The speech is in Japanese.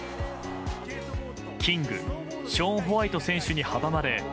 キングショーン・ホワイト選手に阻まれ